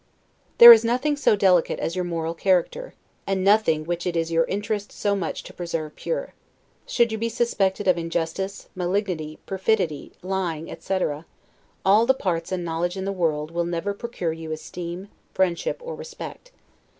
There is nothing so delicate as your moral character, and nothing which it is your interest so much to preserve pure. Should you be suspected of injustice, malignity, perfidy, lying, etc., all the parts and knowledge in the world will never procure you esteem, friendship, or respect.